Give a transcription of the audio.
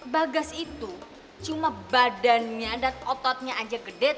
bagas itu cuma badannya dan ototnya aja gede